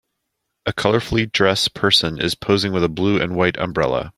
A colorfully dress person is posing with a blue and white umbrella.